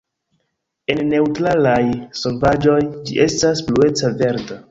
En neŭtralaj solvaĵoj ĝi estas blueca verda.